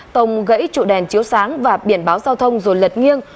tông gãy trụ đèn chiếu sáng và biển báo giao thông rồi lật nghiêng